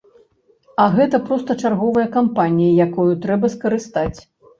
А гэта проста чарговая кампанія, якую трэба скарыстаць.